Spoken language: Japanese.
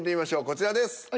こちらです。